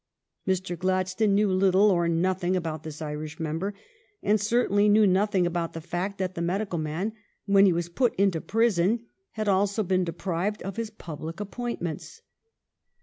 Mr. Gladstone knew little or nothing about this Irish member, and certainly knew nothing about the fact that the medical man, when he was put into prison, had also been de prived of his public appointments.